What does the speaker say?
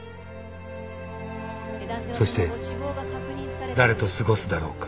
［そして誰と過ごすだろうか］